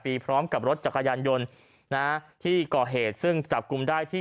พร้อมกับรถจักรยานยนต์นะที่ก่อเหตุซึ่งจับกลุ่มได้ที่